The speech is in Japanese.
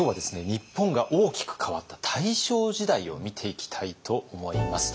日本が大きく変わった大正時代を見ていきたいと思います。